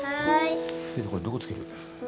これどこ付ける？